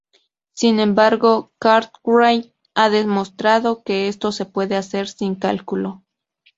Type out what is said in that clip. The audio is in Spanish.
Sin embargo, Cartwright ha demostrado que esto se puede hacer sin cálculo.